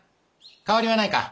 変わりはないか？